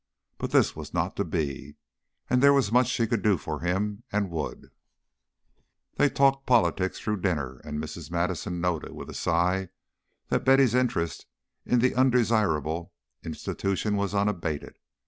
But this was not to be, and there was much she could do for him and would. They talked politics through dinner, and Mrs. Madison noted with a sigh that Betty's interest in the undesirable institution was unabated.